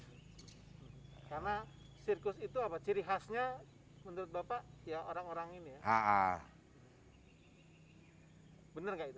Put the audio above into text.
karena sirkus itu apa ciri khasnya menurut bapak ya orang orang ini ya